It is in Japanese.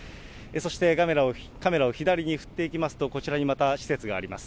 そして、カメラを左に振っていきますと、こちらにまた、施設があります。